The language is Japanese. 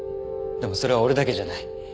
でもそれは俺だけじゃない。